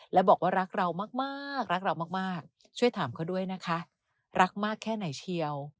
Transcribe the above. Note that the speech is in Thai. และบอกว่ารักเรามากรักเรามากช่วยถามเขาด้วยนะคะรักมากแค่ไหนเชียว